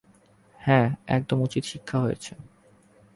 হ্যা, একদম উচিত শিক্ষা হয়েছে।